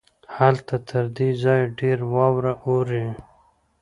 هلته تر دې ځای ډېره واوره اوري.